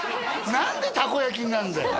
何でたこ焼きになるんだよ！